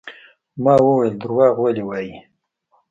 ما وويل دروغ ولې وايې.